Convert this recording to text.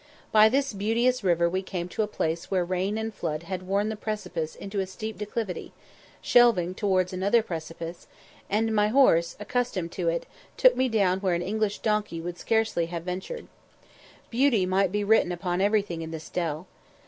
By this beauteous river we came to a place where rain and flood had worn the precipice into a steep declivity, shelving towards another precipice, and my horse, accustomed to it, took me down where an English donkey would scarcely have ventured. Beauty might be written upon everything in this dell.